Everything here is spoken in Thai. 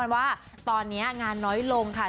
ว่าตอนนี้งานน้อยลงค่ะ